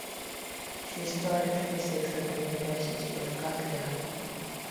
She studied physics at the University of Cagliari.